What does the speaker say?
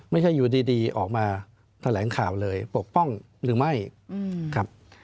ไม่ใช่อยู่ดีออกมาแถลงข่าวเลยปกป้องหรือไม่ครับ